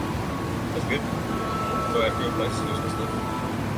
It's good, so I have fewer places to lose my stuff.